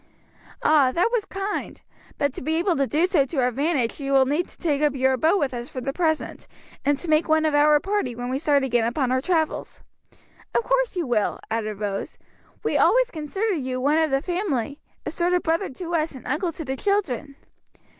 "Ah, that was kind! but to be able to do so to advantage you will need to take up your abode with us for the present, and to make one of our party when we start again upon our travels." "Of course you will," added Rose; "we always consider you one of the family; a sort of brother to us and uncle to the children."